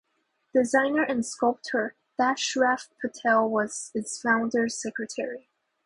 Designer and sculptor Dashrath Patel was its founder secretary.